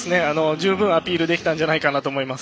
十分アピールできたんじゃないかと思います。